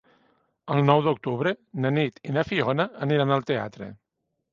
El nou d'octubre na Nit i na Fiona aniran al teatre.